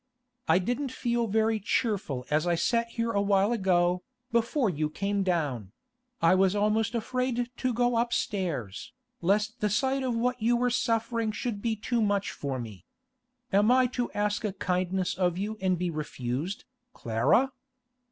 I didn't feel very cheerful as I sat here a while ago, before you came down; I was almost afraid to go upstairs, lest the sight of what you were suffering should be too much for me. Am I to ask a kindness of you and be refused, Clara?